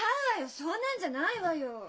そんなんじゃないわよ。